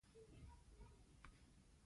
که البوم وي نو عکسونه نه خپریږي.